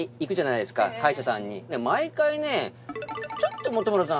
毎回ね「ちょっと本村さん